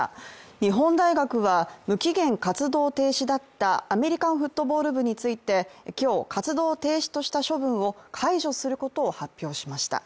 日本大学は無期限活動停止だったアメリカンフットボール部について今日、活動停止とした処分を解除することを発表しました。